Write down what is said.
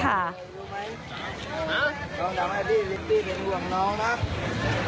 ครับ